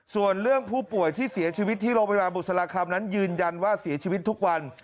ส่วนเรื่องผู้ป่วยที่เสียชีวิตที่โรงพยาบาลบุษราคำนั้นยืนยันว่าเสียชีวิตทุกวัน